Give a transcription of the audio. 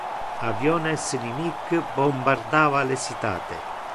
Aviones inimic bombardava le citate.